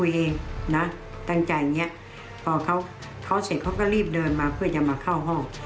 เนี่ยตั้งใจจพอเขาขอเขาเสร็จเขาก็รีบเดินมาเพื่อจะมาเข้าห้อง